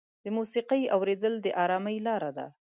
د موسیقۍ اورېدل د ارامۍ لاره ده.